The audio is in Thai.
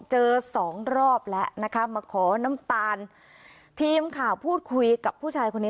สองรอบแล้วนะคะมาขอน้ำตาลทีมข่าวพูดคุยกับผู้ชายคนนี้